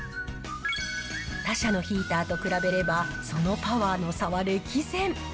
他社のヒーターと比べれば、そのパワーの差は歴然。